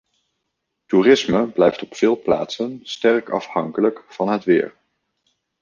Toerisme blijft op veel plaatsen sterk afhankelijk van het weer.